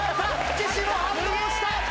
岸も反応した！